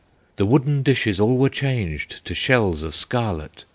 the wooden dishes All were changed to shells of scarlet!